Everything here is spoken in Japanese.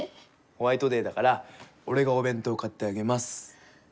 ホワイトデーだから俺がお弁当買ってあげます。